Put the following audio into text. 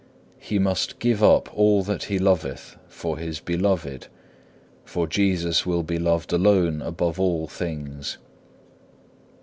He must give up all that he loveth for his Beloved, for Jesus will be loved alone above all things.